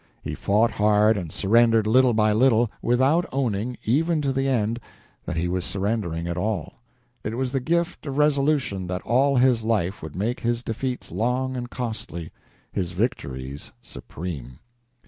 He fought hard and surrendered little by little, without owning, even to the end, that he was surrendering at all. It was the gift of resolution that all his life would make his defeats long and costly his victories supreme.